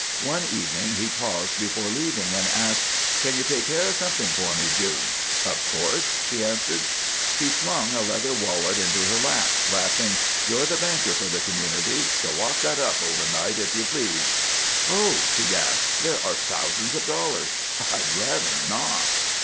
One evening he paused before leaving and asked: "Can you take care of something for me, June?" "Of course," she answered. He flung a leather wallet into her lap, laughing. "You're the banker for the community; so lock that up overnight, if you please." "Oh h!" she gasped. "There are thousands of dollars! I'd rather not."